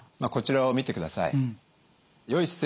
こちらを見てください。